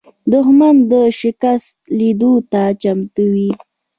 دښمن د شکست لیدلو ته چمتو وي